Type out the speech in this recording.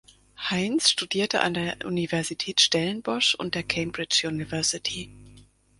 Heyns studierte an der Universität Stellenbosch und der Cambridge University.